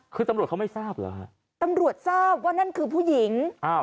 คือตำรวจเขาไม่ทราบเหรอฮะตำรวจทราบว่านั่นคือผู้หญิงอ้าว